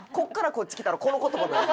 こっち来たらこの言葉になる。